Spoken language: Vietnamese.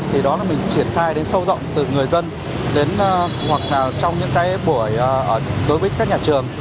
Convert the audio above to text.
thì đó là mình triển khai đến sâu rộng từ người dân hoặc trong những buổi đối với các nhà trường